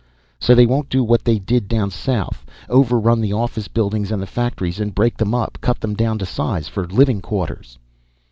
So they won't do what they did down south overrun the office buildings and the factories and break them up, cut them down to size for living quarters."